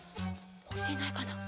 おきてないかな？